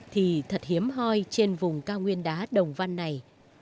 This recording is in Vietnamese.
thì thật hiếm hoi trên vùng cao nguyên đá đồng văn này